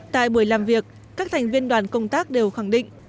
tại buổi làm việc các thành viên đoàn công tác đều khẳng định